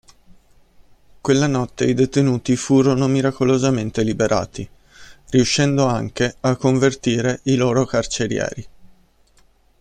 Quella notte i detenuti furono miracolosamente liberati, riuscendo anche a convertire i loro carcerieri.